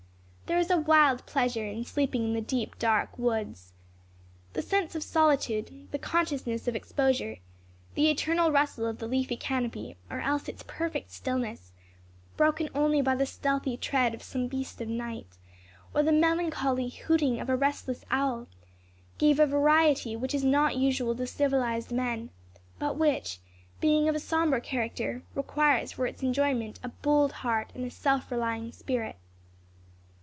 There is a wild pleasure in sleeping in the deep dark woods. The sense of solitude, the consciousness of exposure, the eternal rustle of the leafy canopy, or else its perfect stillness, broken only by the stealthy tread of some beast of night, or the melancholy hooting of a restless owl, give a variety which is not usual to civilized men, but which, being of a sombre character, requires for its enjoyment a bold heart and a self relying spirit.